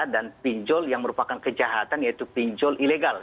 dan pinjol yang merupakan kejahatan yaitu pinjol ilegal